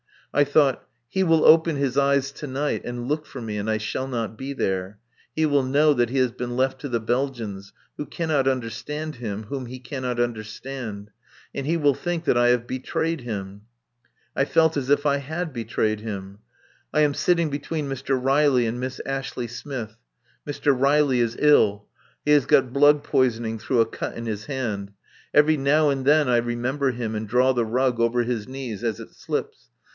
I thought, he will open his eyes to night and look for me and I shall not be there. He will know that he has been left to the Belgians, who cannot understand him, whom he cannot understand. And he will think that I have betrayed him. I felt as if I had betrayed him. I am sitting between Mr. Riley and Miss Ashley Smith. Mr. Riley is ill; he has got blood poisoning through a cut in his hand. Every now and then I remember him, and draw the rug over his knees as it slips.